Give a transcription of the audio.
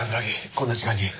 こんな時間に。